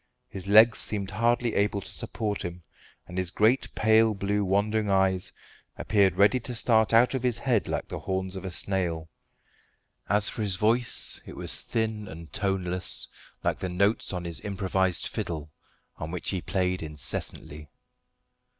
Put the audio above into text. His legs seemed hardly able to support him, and his great pale blue wandering eyes appeared ready to start out of his head like the horns of a snail. As for his voice, it was thin and toneless, like the notes on his improvised fiddle, on which he played incessantly.